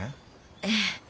ええ。